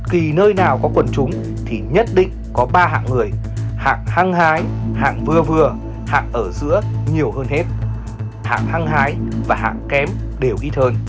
hạng hăng hái và hạng kém đều ít hơn